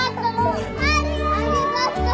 ありがとう。